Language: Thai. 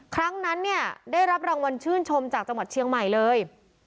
ครั้งนั้นเนี่ยได้รับรางวัลชื่นชมจากจังหวัดเชียงใหม่เลย